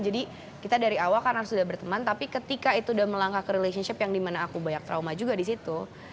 kita dari awal karena sudah berteman tapi ketika itu udah melangkah ke relationship yang dimana aku banyak trauma juga di situ